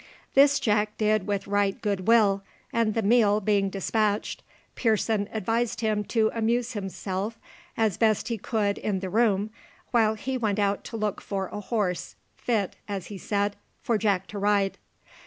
This Jack did with right good will; and the meal being despatched, Pearson advised him to amuse himself as best he could in the room, while he went out to look for a horse fit, as he said, for Jack to ride.